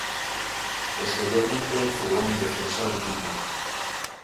Posteriormente jugó en Defensor Lima.